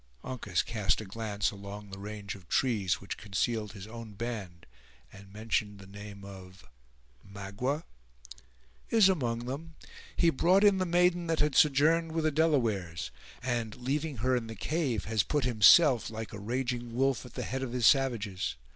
Uncas cast a glance along the range of trees which concealed his own band and mentioned the name of: "Magua?" "Is among them. He brought in the maiden that had sojourned with the Delawares; and, leaving her in the cave, has put himself, like a raging wolf, at the head of his savages.